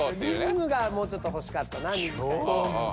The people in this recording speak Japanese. リズムがもうちょっとほしかったな。